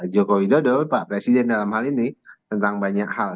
joko widodo pak presiden dalam hal ini tentang banyak hal